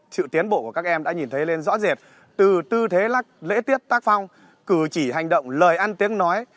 sự tiến bộ của các em đã nhìn thấy lên rõ rệt từ tư thế lễ tiết tác phong cử chỉ hành động lời ăn tiếng nói